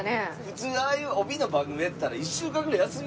普通ああいう帯の番組やってたら１週間ぐらい休みますやん。